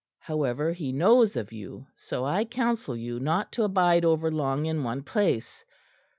However, he knows of you; so I counsel you not to abide over long in one place.